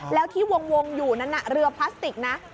แล้วที่วงอยู่นั้นเรือพลาสติกนะ